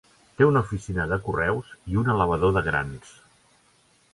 Té una oficina de correus i un elevador de grans.